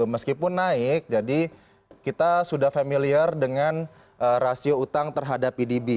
meskipun naik jadi kita sudah familiar dengan rasio utang terhadap pdb